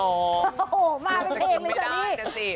โอ้โหมาเป็นเพลงเลยจ้ะพี่